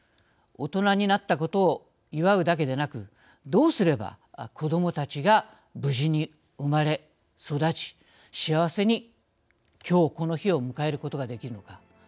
大人になったことを祝うだけでなく、どうすれば子どもたちが無事に生まれ、育ち幸せに、きょうこの日を迎えることができるのか。